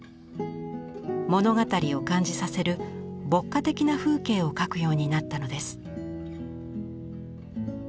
物語を感じさせる牧歌的な風景を描くようになったのです。